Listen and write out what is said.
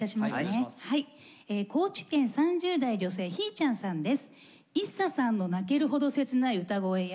高知県３０代・女性ひぃちゃんさんです。